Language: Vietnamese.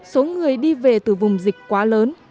số người đi về từ vùng dịch quá lớn